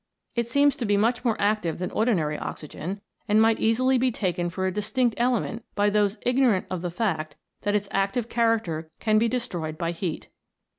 It seems to be much more active than ordinary oxygen, and might easily be taken for a distinct element by those ignorant of the fact that its active character can be destroyed by heat.